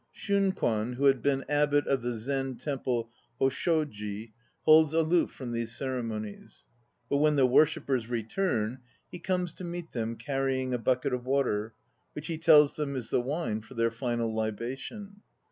Shunkwan, who had been abbot of the Zen 2 temple Hosshoji, holds aloof from these ceremonies. But when the worshippers return he comes to meet them carrying a bucket of water, which he tells them is the wine for their final libation.